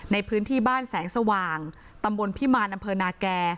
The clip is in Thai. ในพื้นที่บ้านแสงสว่างตำบลพิมารอำเภอนาแก่